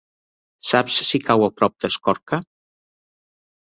Saps si cau a prop d'Escorca?